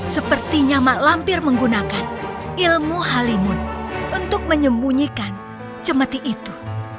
sepertinya mak lampir menggunakan ilmu halimun untuk menyembunyikan cemati itu